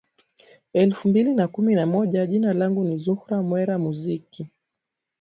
elfu mbili na kumi na moja jina langu ni zuhra mwera muziki